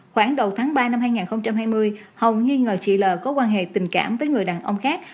khoảng đầu tháng ba năm hai nghìn hai mươi hồng nghi ngờ chị l có quan hệ tình cảm với người đàn ông khác